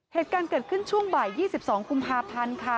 เหตุการณ์เกิดขึ้นช่วงบ่าย๒๒กุมภาพันธ์ค่ะ